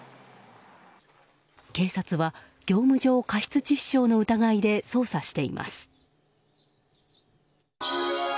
警察は業務上過失致死傷の疑いで捜査しています。